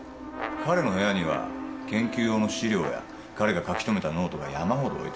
彼の部屋には研究用の資料や彼が書き留めたノートが山ほど置いてある。